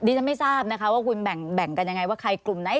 ฉันไม่ทราบนะคะว่าคุณแบ่งกันยังไงว่าใครกลุ่มไหน